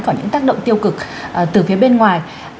có những tác động tiêu cực từ phía bên ngoài